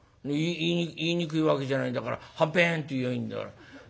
言いにくいわけじゃないんだからはんぺんって言やあいいんだから。